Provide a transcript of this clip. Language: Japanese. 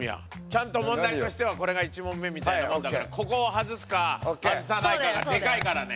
ちゃんと問題としてはこれが１問目みたいなもんだからここを外すか外さないかがでかいからね。